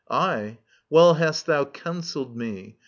Aye. Well hast thou counselled me.